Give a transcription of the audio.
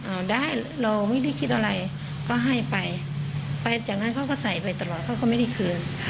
เอาได้เราไม่ได้คิดอะไรก็ให้ไปไปจากนั้นเขาก็ใส่ไปตลอดเขาก็ไม่ได้คืน